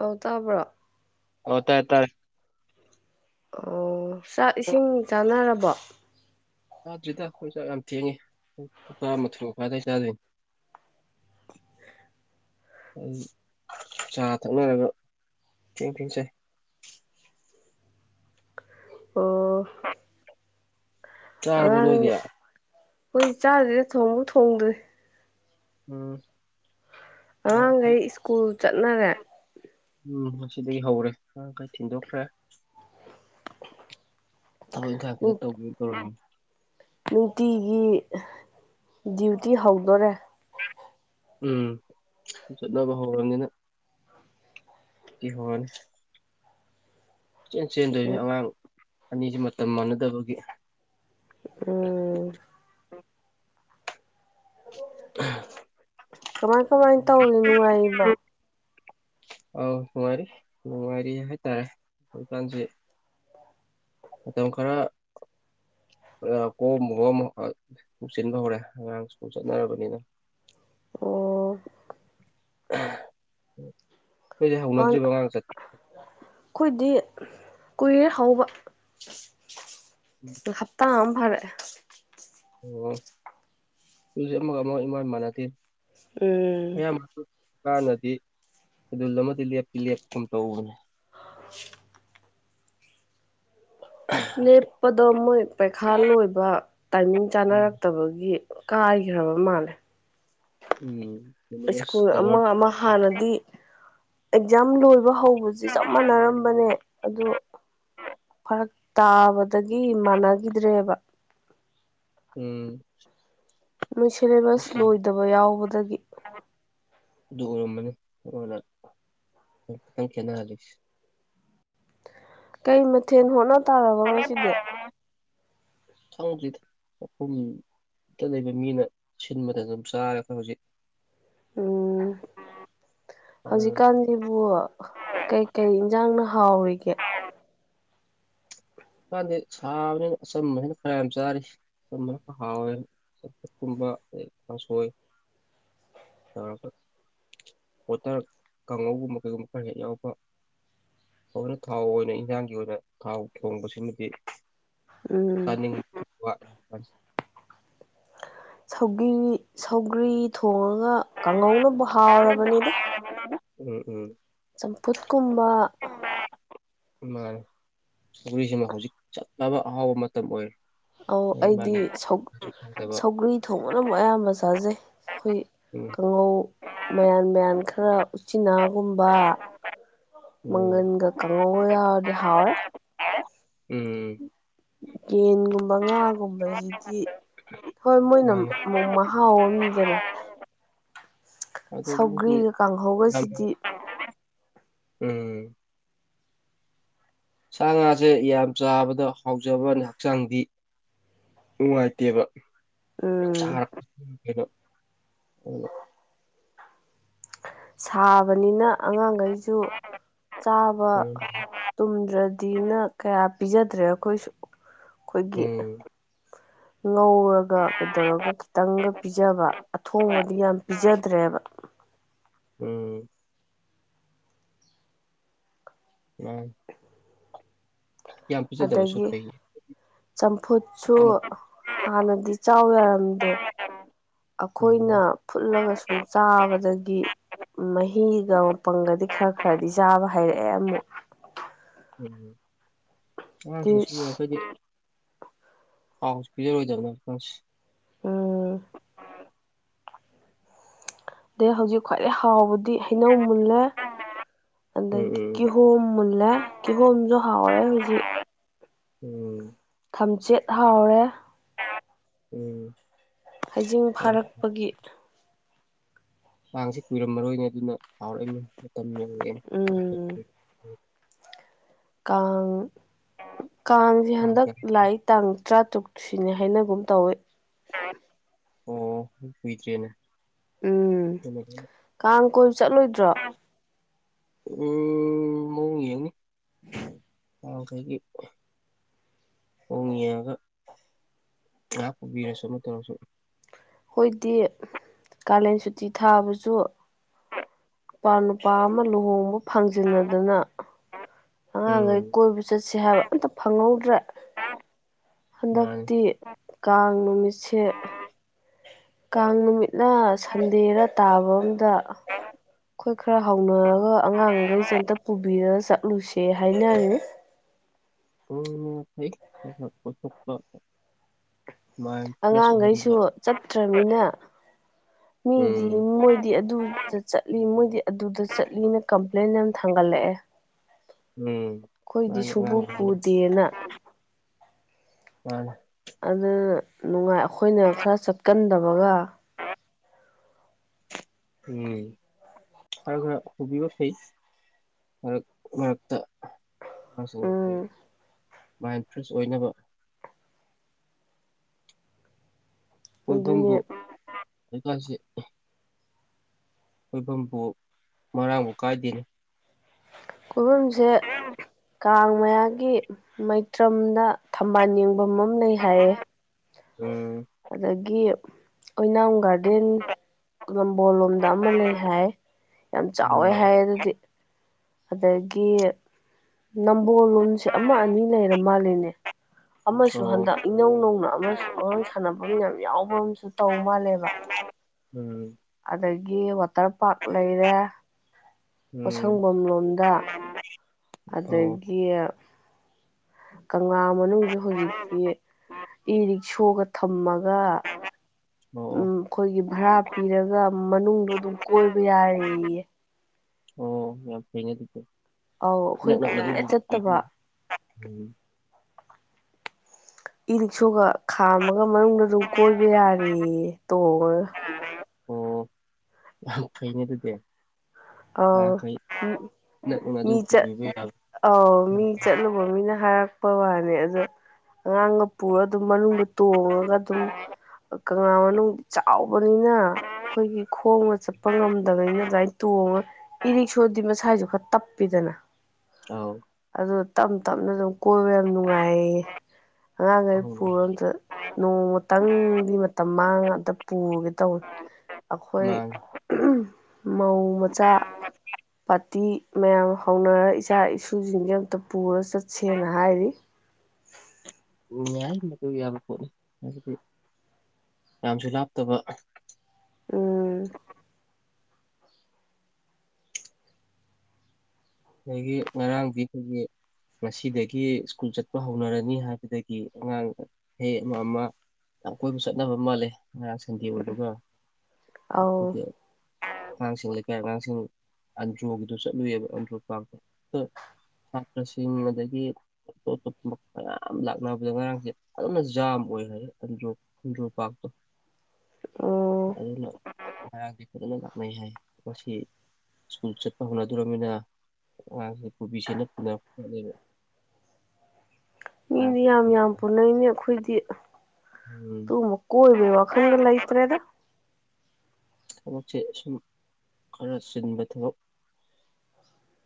ꯑ ꯇꯥꯕ꯭ꯔꯣ ꯍ ꯇ ꯇ ꯑꯣ ꯆꯥꯛ ꯏꯁꯤꯡ ꯆꯥꯅꯔꯕꯣ ꯆꯥꯗ꯭ꯔꯤꯗ ꯑꯩꯈꯣꯏ ꯆꯥꯛ ꯌꯥꯝ ꯊꯦꯡꯉꯤꯥ ꯃꯥꯊꯨ ꯃꯈꯥꯗꯥꯏ ꯆꯥꯗꯣꯏꯅꯤ ꯑꯦ ꯑꯩ ꯆꯥ ꯊꯛꯅꯔꯒ ꯊꯤꯟ ꯊꯤꯟꯁꯦ ꯑꯣ ꯍ ꯆꯥꯔꯕꯣ ꯅꯣꯏꯒꯤ ꯑꯩꯈꯣꯏ ꯆꯥꯗ꯭ꯔꯤꯗꯥ ꯊꯣꯡꯐꯥꯎ ꯊꯣꯡꯗ꯭ꯔꯤ ꯎꯝ ꯑꯉꯥꯡꯈꯩ ꯁꯀꯨꯜ ꯆꯠꯅꯔꯦ ꯎꯝ ꯉꯗꯒꯤ ꯍꯧꯔꯦ ꯃꯔꯥꯡꯈꯩ ꯊꯤꯟꯗꯣꯛꯈ꯭ꯔꯦ ꯊꯕꯛ ꯏꯪꯈ ꯇꯧꯕ ꯇꯧꯔ ꯅꯨꯡꯇꯤꯒꯤ ꯗ꯭ꯌꯨꯇꯤ ꯍꯧꯗꯣꯔꯦ ꯎꯝ ꯆꯠꯅꯕ ꯍꯧꯔꯕꯅꯤꯅ ꯀꯍꯣꯜ ꯆꯦꯟ ꯆꯦꯟꯗꯣꯏꯅꯤ ꯎꯝ ꯑꯉꯥꯡ ꯑꯅꯤꯁꯤ ꯃꯇꯝ ꯃꯥꯟꯅꯗꯕꯒꯤ ꯑꯣ ꯑ ꯀꯃꯥꯏ ꯀꯃꯥꯏꯅ ꯇꯧꯔꯤ ꯅꯨꯡꯉꯥꯏꯔꯤꯕꯣ ꯑꯥꯎ ꯅꯨꯡꯉꯥꯏꯔꯤ ꯅꯨꯡꯉꯥꯏꯔꯤ ꯍꯥꯏꯇꯥꯔꯦꯀꯥꯟꯁꯤ ꯃꯇꯝ ꯈꯔ ꯀꯣꯝꯣ ꯑꯃ ꯁꯤꯟꯕ ꯍꯧꯔꯦ ꯑꯉꯥꯡ ꯁ꯭ꯀꯨꯜ ꯆꯠꯅꯔꯕꯅꯤꯅ ꯑꯣ ꯑꯩꯣꯏꯗꯤ ꯍꯧꯅꯗ꯭ꯔꯤꯕ ꯃꯉꯥꯡ ꯆꯠ ꯑꯩꯈꯣꯏꯗꯤ ꯀꯨꯔꯦ ꯍꯧꯕ ꯍꯞꯇꯥ ꯑꯃ ꯐ ꯑꯣ ꯇꯖꯤ ꯑꯃꯨꯒ ꯑꯃꯛ ꯏꯃꯥꯟ ꯏ ꯃꯥꯟꯅꯗꯦ ꯎꯝ ꯀꯥꯟꯅꯗꯤ ꯁꯦꯗꯨꯜ ꯑꯃꯗꯤ ꯂꯦꯞꯇꯤ ꯂꯦꯞꯀꯨꯝ ꯇꯧꯕꯅꯦ [inaudible] ꯂꯦꯞꯄꯗꯣ ꯃꯣꯏ ꯄꯩꯈꯥ ꯂꯣꯏꯕ ꯇꯥꯏꯃꯤꯡ ꯆꯥꯅꯔꯛꯇꯕꯒꯤ ꯀꯥꯏꯈ꯭ꯔꯕ ꯃꯥꯜꯂꯦ ꯎꯝ ꯁꯤꯂꯦꯕꯁ ꯁ꯭ꯀꯨꯜ ꯑꯃ ꯀꯕꯔ ꯑꯃ ꯍꯥꯟꯅꯗꯤ ꯑꯦꯛꯖꯥꯝ ꯂꯣꯏ ꯍꯧꯕꯁ ꯆꯞ ꯃꯥꯟꯅꯔꯝꯕꯅꯦ ꯑ ꯐꯔꯛ ꯇꯥꯕꯗ ꯗꯒꯤ ꯃꯥꯟꯅꯈꯤꯗ꯭ꯔꯦꯕ ꯎꯝ ꯅꯣꯏ ꯁꯤꯦꯂꯦꯕꯁ ꯂꯣꯏꯗꯕ ꯌꯥꯎꯕꯗꯒꯤ ꯑꯗꯨ ꯎꯔꯃꯅꯤꯅ ꯈꯤꯇꯪ ꯈꯦꯠꯅꯍꯜꯂꯤꯁꯦ ꯀꯩ ꯃꯊꯦꯜ ꯍꯣꯠꯅ ꯇꯥꯔꯕ ꯉꯁꯤꯗꯤ ꯁ [unintelligible] ꯇ ꯂꯩꯕ ꯃꯤꯅ ꯁꯤꯟꯕ ꯃꯇꯝꯗ ꯑꯗꯨꯝ ꯆꯥꯔ ꯈꯣꯏ ꯍꯧꯖꯤꯛ ꯎꯃ ꯍꯧꯖꯤꯛꯀꯥꯟꯗꯤ ꯍꯧꯖꯤꯛꯀꯥꯟꯁꯤꯕꯨ ꯀꯩꯀꯩ ꯏꯟꯁꯥꯡꯅ ꯍꯥꯎꯔꯤꯒꯦ ꯀꯥꯟꯗꯤ ꯁꯥꯕꯅꯤꯅ ꯑꯆꯝꯕꯅꯤꯅ ꯈꯔ ꯌꯥꯝ ꯆꯥꯔꯤ ꯑꯆꯝꯕꯅ ꯍꯥꯎꯋꯦ ꯀꯥꯡꯁꯣꯏ [inaudible] ꯑ ꯄꯣꯇꯔ ꯀꯥꯡꯉꯧꯒꯨꯝꯕ ꯀꯩꯒꯨꯝꯕ ꯈꯔ ꯍꯦꯛ ꯌꯥꯎꯕ ꯍꯧꯔ ꯊꯥꯎ ꯑꯣꯏꯅ ꯏꯟꯖꯥꯡꯒꯤ ꯑꯣꯏꯅ ꯊꯥꯎ ꯊꯣꯡꯕꯁꯤꯃꯗꯤ ꯎꯝ ꯆꯥꯅꯤꯡꯕ ꯋꯥꯠꯂ ꯁ ꯁꯧꯒ꯭ꯔꯤ ꯊꯣꯡꯉꯒ ꯀꯥꯡꯍꯧꯅꯕꯨ ꯍꯥꯎꯔꯕꯅꯤꯗ ꯎꯝ ꯎꯝ ꯆꯝꯐꯨꯠꯀꯨꯝꯕ ꯃꯥ ꯄꯨꯈ꯭ꯔꯤꯁꯤꯃ ꯍꯧꯖꯤꯛ ꯆꯠꯂꯕ ꯑꯍꯥꯎꯕ ꯃꯇꯝ ꯑꯣꯏꯔꯦ ꯑꯧ ꯃꯥꯒꯤ ꯑꯩꯗꯤ ꯃꯥꯒꯤ ꯍꯥꯎꯇꯕ ꯁꯧꯒ꯭ꯔꯤ ꯊꯣꯡꯕꯅ ꯑꯃꯨꯛ ꯑꯌꯥꯝꯕ ꯆꯥꯖꯩ ꯑꯩꯈꯣꯏ ꯎꯝ ꯀꯥꯡꯉꯧ ꯃꯌꯥꯟ ꯃꯌꯥꯟ ꯈ ꯈꯔ ꯎꯆꯤꯅꯥꯒꯨꯝꯕ ꯎꯝ ꯃꯪꯒꯟꯒ ꯀꯥꯡꯍꯧꯒ ꯌꯥꯎꯔꯗꯤ ꯍꯥꯎꯔꯦ ꯎꯝ ꯌꯦꯟꯒꯨꯝꯕ ꯉꯥꯒꯨꯝꯕꯁꯤꯗꯤ ꯍꯣꯏ ꯃꯣꯏꯅ ꯃꯥꯅꯦ ꯑꯃꯨꯛ ꯃꯍꯥꯎꯝꯗꯅ ꯑꯗꯨ ꯃꯣꯏꯁꯨ ꯁꯧꯒ꯭ꯔꯤꯒ ꯌꯥꯝ ꯀꯥꯡꯍꯧꯒꯁꯤꯗꯤ ꯎꯝ ꯁꯥ ꯉꯥꯁꯦ ꯌꯥꯝ ꯆꯥꯕꯗ ꯍꯥꯎꯖꯕ ꯍꯛꯆꯥꯡꯗꯤ ꯅꯨꯡꯉꯥꯏꯇꯦꯕ ꯌꯥꯝ ꯎꯝ ꯁꯥꯔꯅꯨꯡꯥꯏꯕ ꯁꯥꯕꯅꯤꯅ ꯑꯉꯥꯡꯈꯩꯁꯨ ꯆꯥꯕ ꯇꯨꯝꯗ꯭ꯔꯗꯤꯅ ꯀꯌꯥ ꯄꯤꯖꯗ꯭ꯔꯦ ꯑꯩꯈꯣꯏꯁꯨ ꯑꯩꯈꯣꯏꯒꯤ ꯎꯝ ꯉꯧꯔꯒ ꯀꯩꯗꯧꯔꯒ ꯈꯤꯇꯪꯒ ꯄꯤꯖꯕ ꯑꯊꯣꯡꯕꯗꯤ ꯌꯥꯝ ꯄꯤꯖꯗ꯭ꯔꯦꯕ ꯎꯝ ꯑ ꯌꯥꯝ ꯄꯤꯖꯗꯕꯁꯨ ꯑꯗꯒꯤ ꯐꯩꯌꯦ ꯆꯝꯐꯨꯠꯁꯨ ꯍꯥꯟꯅꯗꯤ ꯆꯥꯎ ꯌꯥꯔꯝꯗꯦ ꯑꯩꯈꯣꯏꯅ ꯐꯨꯠꯂꯒ ꯁꯨꯝ ꯆꯥꯕꯗꯒꯤ ꯃꯍꯤꯒ ꯃꯄꯪꯒꯗꯤ ꯈꯔ ꯈꯔꯗꯤ ꯆꯥꯕ ꯍꯥꯏꯩꯔꯛꯑꯦ ꯑꯃꯨꯛ ꯎ ꯑ ꯁ ꯁꯤ ꯌꯥ ꯐꯩꯗꯤ ꯍꯥꯎ ꯄꯖ ꯑꯣꯏꯣꯏꯗꯕꯅꯁꯤ ꯎꯝ ꯑꯗꯩ ꯍꯧꯖꯤꯛ ꯈ꯭ꯋꯥꯏꯗꯩ ꯍꯥꯎꯕꯗꯤ ꯍꯩꯅꯧ ꯃꯨꯜꯂꯦ ꯎꯝ ꯑꯗꯒꯤ ꯎꯝ ꯀꯤꯍꯣꯝ ꯃꯨꯜꯂꯦ ꯀꯤꯍꯣꯝꯁꯨ ꯍꯥꯎꯔꯦ ꯍꯧꯖꯤꯛ ꯎꯝ ꯊꯝꯆꯦꯠ ꯍꯥꯎꯔꯦ ꯎꯝ ꯍꯩꯖꯤꯡ ꯃꯥꯅꯤ ꯐꯥꯔꯛꯄꯒꯤ ꯆꯥꯡꯁꯤ ꯀꯨꯏꯔꯝꯃꯔꯣꯏꯅꯦ ꯑꯗꯨꯅ ꯍꯥꯎꯔꯛꯏꯅꯤ ꯃꯇꯝ ꯌꯧꯔꯛꯑꯦꯅꯦ ꯎꯝ ꯀꯥꯡ ꯀꯥꯡꯁꯦ ꯇꯥꯡ ꯍꯟꯗꯛ ꯇꯔꯦꯠ ꯂꯥꯛꯏ ꯇꯥꯡ ꯇꯔꯥꯇꯔꯨꯛ ꯁꯤꯅꯤ ꯍꯥꯏꯅꯒꯨꯝ ꯇꯧꯏꯦ ꯑꯣ ꯍ ꯀꯦꯅꯦ ꯎꯝ ꯀꯥꯡ ꯀꯣꯏꯕ ꯆꯠꯂꯣꯏꯗ꯭ꯔꯣ ꯎ ꯃꯅꯤ ꯑꯣꯈꯒꯤ ꯍꯣꯡ ꯌꯦꯡꯉꯒ ꯉꯥꯏꯍꯥꯛ ꯄꯨꯕꯤꯔꯁꯨ ꯑꯃ ꯇꯧꯔꯁꯨ ꯑꯩꯣꯏꯗꯤ ꯀꯥꯂꯦꯟ ꯁꯨꯇꯤ ꯊꯥꯕꯁꯨ ꯅꯨꯄꯥ ꯅꯨꯄꯥ ꯑꯃ ꯂꯨꯍꯣꯡꯕ ꯐꯪꯖꯤꯟꯅꯗꯅ ꯎꯝ ꯑꯉꯥꯡꯈꯩ ꯀꯣꯏꯕ ꯆꯠꯁ ꯍꯥꯏꯕ ꯑꯝꯇ ꯐꯪꯍꯧꯗ꯭ꯔꯥ ꯃꯥꯅꯤ ꯍꯟꯗꯛꯇꯤ ꯀꯥꯡ ꯅꯨꯃꯤꯠꯁꯦ ꯀꯥꯡ ꯅꯨꯃꯤꯠ ꯅ ꯁꯟꯗꯦꯔ ꯇꯥꯕ ꯑꯝꯗ ꯑꯩꯈꯣꯏ ꯈꯔ ꯍꯧꯅꯔꯒ ꯑꯉꯥꯡ ꯩꯁꯦ ꯑꯝꯇ ꯄꯨꯕꯤꯔ ꯆꯠꯂꯨꯁꯦ ꯍꯥꯏꯅꯔꯦ ꯄ ꯊ ꯄꯊꯛꯇ ꯑꯉꯥꯡꯈꯩꯁꯨ ꯆꯠꯇ꯭ꯔꯃꯤꯅ ꯃꯤꯗꯤ ꯎꯝ ꯃꯣꯏꯗꯤ ꯑꯗꯨꯗ ꯆꯠꯂꯤ ꯃꯣꯏꯗꯤ ꯑꯗꯨꯗ ꯆꯠꯂꯤꯅ ꯀꯝꯄ꯭ꯂꯦꯟ ꯌꯥꯝ ꯊꯥꯡꯒꯠꯂꯛꯑꯦ ꯎꯝ ꯑꯩꯈꯣꯏꯗꯤ ꯃꯥꯅꯤ ꯁꯨꯡꯄꯨ ꯑꯉꯥꯡ ꯄꯨꯗꯦꯅ ꯃꯥꯅꯦ ꯑꯗꯨ ꯅꯨꯡꯉꯥꯏ ꯑꯩꯈꯣꯏꯅ ꯈꯔ ꯆꯠꯀꯟꯗꯕꯒ ꯎꯝ ꯈꯔ ꯈꯔ ꯍꯨꯕꯤꯕ ꯐꯩ ꯃꯔꯛ ꯃꯔꯛꯇ ꯁꯤꯡ ꯎꯝ ꯃꯥꯏꯟ ꯐ꯭ꯔꯦꯁ ꯑꯣꯏꯅꯕ ꯑꯗꯨꯅꯦ ꯀꯣꯏꯐꯝꯕꯨ ꯂꯩꯀꯥꯛꯁꯤ ꯑꯣꯏꯣꯏꯐꯝꯕꯨ ꯃꯔꯥꯡꯕꯨ ꯀꯥꯏꯗꯦꯅꯤ ꯈꯨꯕꯝꯁꯦ ꯀꯥꯡ ꯃꯌꯥꯒꯤ ꯃꯩꯇ꯭ꯔꯝꯗ ꯊꯝꯕꯥꯜ ꯌꯦꯡꯐꯝ ꯑꯃ ꯂꯩ ꯍꯥꯏꯌꯦ ꯎꯝ ꯑꯗꯒꯤ ꯑꯣꯏꯅꯥꯝ ꯒꯥꯔꯗ ꯒꯥꯔꯗꯦꯟ ꯅꯝꯕꯣꯜ ꯂꯣꯝꯗ ꯑꯃ ꯂꯩ ꯍꯥꯏ ꯌꯥꯝ ꯆꯥꯎꯋꯦ ꯎꯝ ꯍꯥꯏ ꯑꯗꯨꯗꯤ ꯑꯗꯒꯤ ꯅꯝꯕꯣꯜ ꯂꯣꯟꯁꯦ ꯑꯃ ꯑꯅꯤ ꯂꯩꯔ ꯃꯥꯜꯂꯤꯅꯦ ꯑꯃꯁꯨ ꯑꯣ ꯍꯟꯗꯛ ꯏꯅꯧ ꯅꯧꯅ ꯑꯃꯁꯨ ꯁ ꯑꯉꯥꯡ ꯁꯥꯟꯅꯅꯕ ꯌꯥꯝ ꯌꯥꯎꯕ ꯑꯃꯁꯨ ꯇꯧ ꯃꯥꯜꯂꯦꯕ ꯎꯝ ꯑꯗꯒꯤ ꯋꯥꯇꯔ ꯄꯥꯔꯛ ꯂꯩꯔꯦ ꯎꯝ ꯄꯣꯁꯪꯕꯐꯝꯝ ꯂꯣꯝꯗ ꯑꯗ ꯑꯣ ꯑꯣ ꯌꯦ ꯀꯪꯂꯥ ꯃꯅꯨꯡꯁꯨ ꯍꯧꯖꯤꯛꯇꯤ ꯏ ꯔꯤꯛꯁꯣꯒ ꯊꯝꯃꯒ ꯎꯝ ꯑꯣ ꯑꯩꯈꯣꯏꯒꯤ ꯚꯔꯥ ꯄꯤꯔꯒ ꯃꯅꯨꯡꯗꯣ ꯑꯗꯨꯝ ꯀꯣꯏꯕ ꯌꯥꯔꯌꯦ ꯊꯦꯡꯉꯦ ꯑꯥꯎ ꯑꯩꯈꯣꯏ ꯀꯨꯏꯔꯦ ꯆꯠꯇꯕ ꯎꯝ ꯏꯔꯤꯛꯁꯒ ꯈꯥꯝꯃꯒ ꯃꯅꯨꯡꯗ ꯑꯗꯨꯝ ꯀꯣꯏꯕ ꯌꯥꯔꯦ ꯇꯣꯡꯉꯒ ꯈꯅꯦ ꯑꯗꯨꯗꯤ ꯑꯥꯎ ꯑꯈꯣꯏ ꯏꯅꯛ ꯅꯛꯅ ꯑꯗꯨ ꯃꯤ ꯆ ꯄꯨꯕꯤꯕ ꯌꯥꯕ ꯑꯥꯎ ꯃꯤ ꯆꯠꯂꯨꯕ ꯃꯤꯅ ꯍꯥꯏꯔꯛꯄ ꯋꯥꯅꯤ ꯑꯗꯣ ꯑꯉꯥꯡꯒ ꯄꯨꯔꯒ ꯑꯗꯨꯝ ꯃꯅꯨꯡꯗ ꯇꯣꯡꯉꯒ ꯑꯗꯨꯝ ꯀꯪꯂꯥ ꯃꯅꯨꯡꯗꯤ ꯆꯥꯎꯕꯅꯤꯅ ꯑꯩꯈꯣꯏꯒꯤ ꯈꯣꯡꯅ ꯆꯠꯄ ꯉꯝꯗꯕꯅꯤꯅ ꯑꯗꯨꯃꯥꯏꯅ ꯇꯣꯡꯉ ꯏꯔꯤꯛꯁꯣꯗꯤ ꯃꯁꯥꯁꯨ ꯈꯔ ꯇꯞꯄꯤꯗꯅ ꯑꯥꯎ ꯑꯗꯨ ꯇꯞ ꯇꯞꯅ ꯑꯗꯨꯝ ꯀꯣꯏꯕ ꯌꯥꯝ ꯅꯨꯡꯉꯥꯏꯌꯦ ꯑꯉꯥꯡꯈꯩ ꯑꯍꯣꯡꯕ ꯄꯨꯔꯣꯝ ꯆꯠ ꯅꯣꯡꯃꯇꯪꯗꯤ ꯃꯇꯝ ꯃꯥꯡ ꯑꯝꯇ ꯄꯨꯒꯦ ꯇꯧꯋꯦ ꯑꯩꯈꯣꯏ ꯃꯥꯡ ꯃꯧ ꯃꯆꯥ ꯄꯥꯔꯇꯤ ꯃꯌꯥꯝ ꯍꯧꯅꯔꯒ ꯏꯆꯥ ꯏꯁꯨꯁꯤꯡꯁꯦ ꯑꯃꯝꯇ ꯄꯨꯔ ꯆꯠꯁꯦꯅ ꯍꯥꯏꯔꯤ ꯎ ꯌꯥꯏ ꯃꯗꯨ ꯌꯥꯕ ꯄꯣꯠꯅꯤ ꯍꯥꯏꯕꯗꯤ ꯌꯥꯝꯁꯨ ꯂꯥꯞꯇꯕ ꯎꯝ ꯑꯗꯒꯤ ꯉꯔꯥꯡꯗꯤ ꯑꯩꯈꯣꯏꯒꯤ ꯉꯁꯤꯗꯒꯤ ꯁ꯭ꯀꯨꯜ ꯆꯠꯄ ꯍꯧꯅꯔꯅꯤ ꯍꯥꯏꯕꯗꯒꯤ ꯑꯉꯥꯡ ꯍꯦꯛ ꯑꯃ ꯑꯃ ꯌꯥꯝ ꯀꯣꯏꯕ ꯆꯠꯅꯕ ꯃꯥꯜꯂꯦ ꯉꯔꯥꯡ ꯁꯟꯗꯦ ꯑꯣꯏꯕꯒ ꯑꯧ ꯑꯉꯥꯡꯁꯤꯡ ꯂꯩꯀꯥꯏ ꯑꯉꯥꯡꯁꯤꯡ ꯑꯟꯗ꯭ꯔꯣꯒꯤꯗꯨꯣ ꯆꯠꯂꯨꯏꯑꯕ ꯑꯟꯗ꯭ꯔꯣ ꯄꯥꯛꯇ ꯑ ꯁꯥꯁꯤ ꯆꯤꯡ ꯑꯗꯒꯤ ꯑꯇꯣꯞ ꯑꯇꯣꯞꯄ ꯃꯌꯥꯝ ꯂꯥꯛꯅꯕꯗ ꯉꯔꯥꯡꯁꯦ ꯑꯗꯨꯅ ꯖꯥꯝ ꯑꯣꯏ ꯍꯥꯏ ꯣ ꯄꯇ ꯎꯝ ꯑꯗꯨꯅ ꯍꯔꯥꯡꯁꯦ ꯐꯖꯅ ꯂꯥꯛꯅꯩ ꯍꯥꯏꯣ ꯁꯤ ꯁ꯭ꯀꯨꯜ ꯆꯠꯄ ꯍꯧꯣꯠꯅꯗꯣꯔꯃꯤꯅ ꯑꯁꯦ ꯀꯣꯕꯤꯁꯦ ꯅꯠꯇꯅ ꯑꯗꯨ ꯃꯤꯗꯤ ꯌꯥꯝ ꯌꯥꯝ ꯄꯨꯅꯩꯅꯦ ꯑꯩꯈꯣꯏ ꯇꯨ ꯎꯝ ꯃ ꯀꯣꯏ ꯑꯣꯏꯕ ꯋꯥ ꯈꯪꯒ ꯂ ꯏꯇꯔꯦꯗ ꯊꯕꯛꯁꯦ ꯑꯁꯨꯝ ꯈꯔ ꯆꯤꯟꯕ ꯊꯕꯛ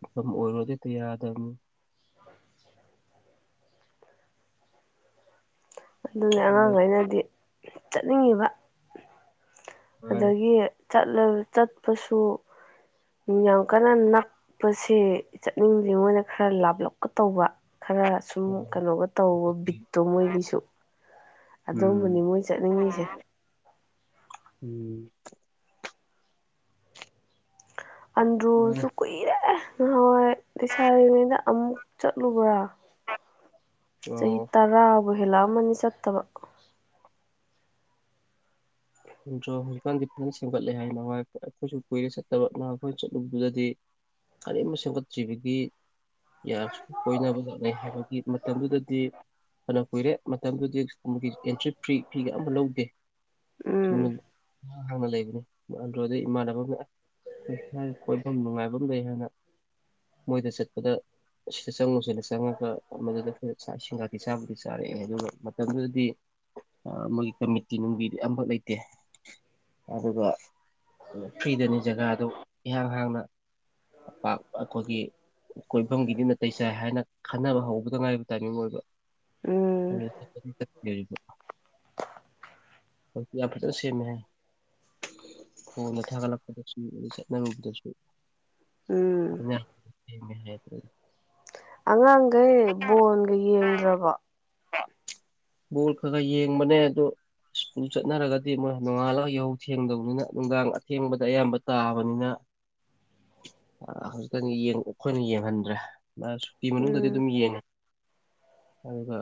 ꯃꯇꯝ ꯑꯣꯏꯔꯣꯗꯤꯗꯤ ꯌꯥꯗꯕꯅꯤ ꯑꯗꯨꯅꯦ ꯑꯉꯥꯡꯈꯩꯅꯗꯤ ꯆꯠꯅꯤꯡꯉꯤꯕ ꯑꯗꯒꯤ ꯆꯠꯄꯁꯨ ꯌꯥꯝ ꯀꯟꯅ ꯅꯛꯄꯁꯦ ꯆꯠꯅꯤꯡꯕꯗꯤꯦ ꯃꯣꯏꯅ ꯈꯔ ꯂꯥꯞꯂꯞꯀ ꯇꯧꯕ ꯈꯔ ꯁꯨꯝ ꯀꯩꯅꯣꯒ ꯇꯧꯕ ꯕꯤꯠꯇꯣ ꯃꯣꯏꯒꯤꯁꯨ ꯑꯗꯨꯝꯕꯅꯤ ꯎꯝ ꯃꯣꯏ ꯆꯠꯅꯤꯡꯉꯤꯁꯦ ꯎꯝ ꯑꯟꯗ꯭ꯔꯨꯁꯨ ꯀꯨꯏꯔꯦ ꯅꯍꯥꯟꯋꯥꯏ ꯁꯥꯔꯤꯉꯩꯗ ꯑꯃꯨꯛ ꯆꯠꯂꯨꯕ꯭ꯔꯥ ꯆꯍꯤ ꯑꯣ ꯇꯔꯥꯕꯨ ꯍꯦꯜꯂꯛꯑꯝꯃꯅꯤ ꯆꯠꯇꯕ ꯗ꯭ꯔꯣ ꯍꯧꯖꯤꯛꯀꯥꯟꯗꯤ ꯐꯖꯅ ꯁꯦꯝꯒꯠꯂꯦ ꯍꯥꯏꯅꯅꯨꯡꯉꯥꯏ ꯑꯩꯈꯣꯏꯁꯨ ꯀꯨꯏꯔ ꯆꯠꯇꯕ ꯑꯩꯈꯣꯏꯅ ꯆꯠꯂꯨꯕꯗꯨꯗꯗꯤ ꯀꯔꯤꯕ ꯁꯦꯝꯒꯠꯇ꯭ꯔꯤꯕꯒꯤ ꯌꯥꯁꯨ ꯀꯣꯏꯅꯕ ꯂꯥꯛꯅꯩ ꯍꯥꯏꯕꯒꯤ ꯃꯇꯝꯗꯨꯗꯗꯤ ꯐꯅ ꯀꯨꯏꯔꯦ ꯃꯇꯝꯗꯨꯗꯤ ꯁꯀꯨꯝꯒꯤ ꯑꯦꯟꯇ꯭ꯔꯤ ꯐꯤ ꯐꯤꯒ ꯑꯃ ꯂꯧꯗꯦ ꯎꯝ ꯁꯨꯝꯅ ꯍꯥꯡꯅ ꯂꯩꯕꯅꯦ ꯑꯗꯣꯗ ꯏꯃꯥꯟꯅꯕ ꯑꯃꯅ ꯑꯩꯈꯣꯏ ꯏꯁꯥꯒꯤ ꯀꯣꯏꯐꯝ ꯅꯨꯡꯉꯥꯏꯐꯝ ꯂꯩ ꯍꯥꯏꯅ ꯃꯣꯏꯗ ꯆꯠꯄꯗ ꯁꯤꯗ ꯆꯪꯉꯨꯁꯤꯅ ꯆꯪꯉꯒ ꯃꯗꯨꯗ ꯐ ꯁꯤꯡꯒꯥꯇꯤ ꯆꯥꯕꯨꯗꯤ ꯆꯥꯔꯦ ꯑꯗꯨ ꯃꯇꯝꯗꯨꯗꯗꯤ ꯃꯣꯏꯒꯤ ꯀꯃꯤꯇꯤ ꯅꯨꯡꯒꯤꯗꯤ ꯑꯃꯈꯛ ꯂꯩꯇꯦ ꯑꯣꯀꯦ ꯑꯗꯨꯒ ꯐ꯭ꯔꯤꯗꯅꯤ ꯖꯒꯥꯗꯨ ꯏꯍꯥꯡ ꯍꯥꯡꯅꯄꯥꯛ ꯑꯩꯈꯣꯏꯒꯤ ꯀꯣꯏꯐꯝꯒꯤꯗꯤ ꯅꯥꯇꯩ ꯆꯥꯏ ꯍꯥꯏꯅ ꯈꯟꯅꯕ ꯍꯧꯕꯗ ꯉꯥꯏꯕ ꯇꯥꯏꯃꯤꯡ ꯑꯣꯏꯕ ꯎꯝ [unintelligible] ꯌꯥ ꯐꯔꯣꯁ ꯁꯦꯝꯃꯦ ꯍꯅ ꯊꯒ ꯂꯄꯗꯁꯨ ꯆꯅꯕꯗꯁꯨ ꯎꯝ ꯍꯥꯏ ꯑꯉꯥꯡꯈꯩ ꯕꯣꯟꯒ ꯌꯦꯡꯗ꯭ꯔꯕ ꯕꯣꯜ ꯈꯔ ꯈꯔ ꯌꯦꯡꯕꯅꯦ ꯑꯗꯣ ꯁꯀꯨꯜ ꯆꯠꯅꯔꯒꯗꯤ ꯃꯣꯏ ꯅꯣꯡꯉꯥꯜꯂꯒ ꯏꯍꯧ ꯊꯦꯡꯗꯕꯅꯤꯅ ꯅꯨꯡꯗꯥꯡ ꯑꯊꯦꯡꯕꯗ ꯑꯌꯥꯝꯕ ꯇꯥꯕꯅꯤꯅ ꯍꯧꯖꯤꯛꯇꯪ ꯑꯩꯈꯣꯏꯅ ꯌꯦꯡꯍꯟꯗ꯭ꯔꯦ ꯃꯥ ꯁꯨꯇꯤ ꯃꯅꯨꯡꯗꯗꯤ ꯎꯝ ꯑꯗꯨꯝ ꯌꯦꯡꯉꯦ ꯑꯗꯨꯒ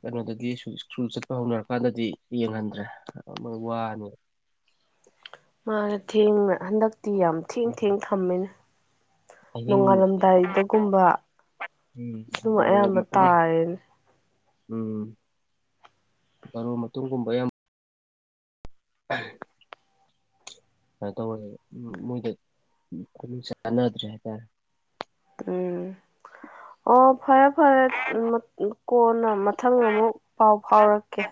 ꯀꯩꯅꯣꯗꯒꯤ ꯁ꯭ꯀꯨꯜ ꯆꯠꯄ ꯍꯧꯅꯔꯀꯥꯟꯗꯗꯤ ꯌꯦꯡꯍꯟꯗ꯭ꯔꯦ ꯋꯥꯅꯤ ꯃꯥꯅ ꯊꯦꯡꯅ ꯍꯟꯗꯛꯇꯤ ꯌꯥꯝ ꯊꯦꯡ ꯊꯦꯡ ꯊꯝꯃꯦꯅꯦ ꯑꯍꯤꯡ ꯅꯣꯡꯉꯥꯜꯂꯝꯗꯥꯏꯗꯒꯨꯝꯕ ꯎꯝ ꯑꯗꯨꯝ ꯕꯥꯔꯣ ꯑꯌꯥꯝꯕ ꯃꯇꯨꯡ ꯇꯥꯏꯅꯦ ꯎꯝ ꯕꯥꯔꯣ ꯃꯇꯨꯡꯒꯨꯝꯕ ꯌꯥꯝ ꯍ ꯇꯧꯔ ꯃꯣꯏꯗ ꯈꯨ ꯆꯥꯟꯅꯗ꯭ꯔꯦ ꯍꯥꯏꯇꯥꯔꯦ ꯎꯝ ꯑꯣ ꯑꯣ ꯐꯔꯦ ꯐꯔꯦ ꯀꯣꯟꯅ ꯃꯊꯪ ꯑꯃꯨꯛ ꯄꯥꯎ ꯐꯥꯎꯔꯛꯀꯦ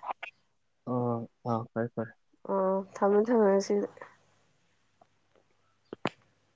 ꯑꯣ ꯐꯔꯦ ꯐꯔꯦ ꯑꯣ ꯊꯝꯃꯃꯦ ꯊꯝꯃꯒ ꯁꯤ